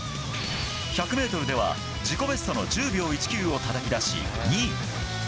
１００ｍでは自己ベストの１０秒１９をたたき出し２位。